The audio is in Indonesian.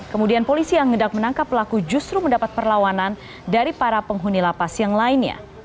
kemudian polisi yang hendak menangkap pelaku justru mendapat perlawanan dari para penghuni lapas yang lainnya